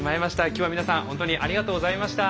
今日はみなさん本当にありがとうございました。